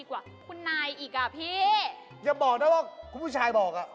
ถ้าบอกแล้วว่าคุณผู้ชายบอก